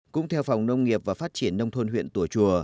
cũng theo phòng nông nghiệp và phát triển nông thôn huyện tùa chùa